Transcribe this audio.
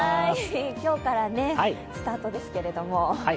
今日からスタートですけれども。